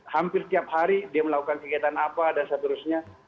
hampir tiap hari dia melakukan kegiatan apa dan seterusnya